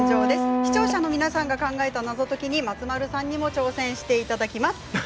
視聴者の皆さんが考えた謎解きに松丸さんにも挑戦していただきます。